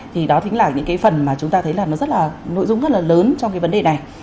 thì đó chính là những cái phần mà chúng ta thấy là nó rất là nội dung rất là lớn trong cái vấn đề này